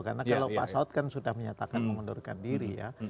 karena kalau pak saud kan sudah menyatakan mengundurkan diri ya